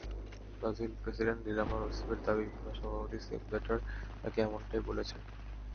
Brazil president Dilma রুসেফের দাবি, FIFA সভাপতি সেপ ব্ল্যাটার তাঁকে এমনটাই বলেছেন।